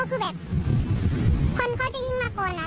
พวกคือแบบคนเขาจะยิงมาก่อนอะ